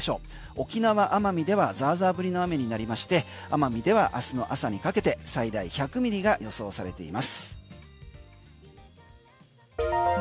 沖縄奄美ではザーザー降りの雨になりまして奄美では明日の朝にかけて最大１００ミリが予想されています。